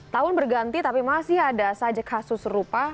tahun berganti tapi masih ada saja kasus serupa